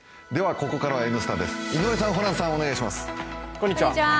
ここからは「Ｎスタ」です井上さん、ホランさん、お願いします。